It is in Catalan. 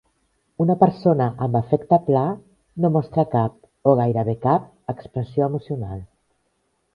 Una persona amb afecte pla no mostra cap o gairebé cap expressió emocional.